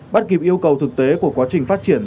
bắt kịp yêu cầu thực tế của quá trình phát triển